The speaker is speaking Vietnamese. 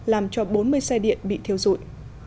làm cho bốn mươi xe điện bị thiêu dụi